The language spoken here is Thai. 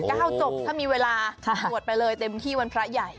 จบถ้ามีเวลาสวดไปเลยเต็มที่วันพระใหญ่